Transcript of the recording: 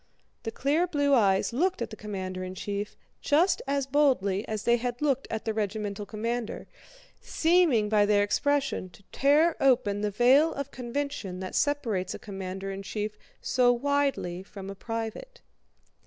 The clear blue eyes looked at the commander in chief just as boldly as they had looked at the regimental commander, seeming by their expression to tear open the veil of convention that separates a commander in chief so widely from a private.